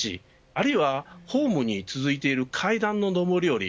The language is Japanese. あるいは、ホームに続いている階段の上り下り